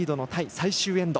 最終エンド。